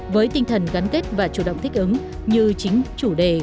với tinh thần gắn kết và chủ động thích ứng như chính chủ đề